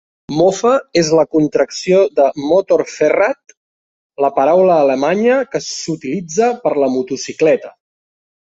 "Mofa" és la contracció de "Motor-Fahrrad", la paraula alemanya que s'utilitza per a "motocicleta".